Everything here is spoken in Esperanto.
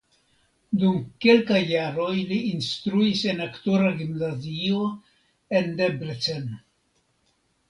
Dum kelkaj jaroj li instruis en aktora gimnazio en Debrecen.